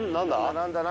何だ？